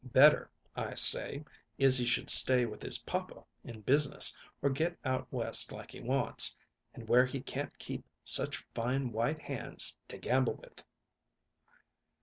Better, I say, Izzy should stay with his papa in business or get out West like he wants, and where he can't keep such fine white hands to gamble with."